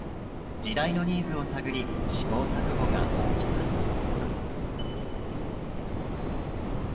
時代のニーズを探り試行錯誤が続きます。